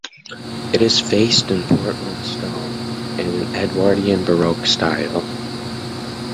It is faced in Portland stone in an Edwardian Baroque style.